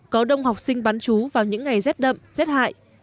có đông học sinh bán chú vào những ngày rét đậm rét hại